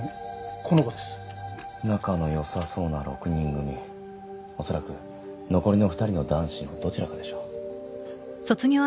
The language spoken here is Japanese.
この子です仲のよさそうな６人組恐らく残りの２人の男子のどちらかでしょう